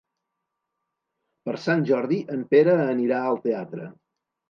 Per Sant Jordi en Pere anirà al teatre.